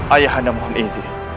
ayah anda mohon izin